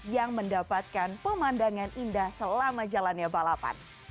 yang mendapatkan pemandangan indah selama jalannya balapan